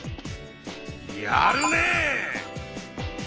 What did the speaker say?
やるねえ！